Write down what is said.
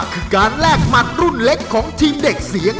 คือการแลกหมัดรุ่นเล็กของทีมเด็กเสียง